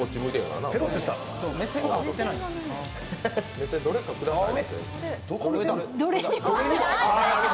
目線どれかください。